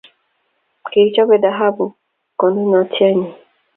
Kikichope tahabu konunotyet nyi.